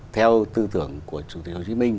theo tư tưởng của chủ tịch hồ chí minh